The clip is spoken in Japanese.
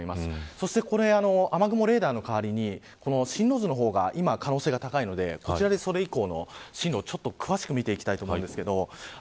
そして雨雲レーダーの代わりに進路図の方が今、可能性が高いので予想を詳しく見ていこうと思います。